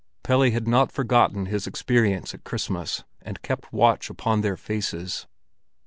Pelle had not forgotten his experience at Christmas, and kept watch upon their faces.